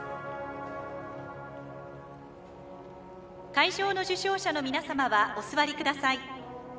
会場の受賞者の皆様はお座りください。